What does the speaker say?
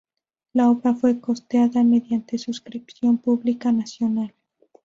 La obra fue costeada mediante suscripción pública nacional.